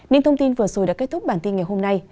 những thông tin vừa rồi đã kết thúc bản tin ngày hôm nay